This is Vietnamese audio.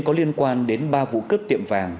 có liên quan đến ba vụ cướp tiệm vàng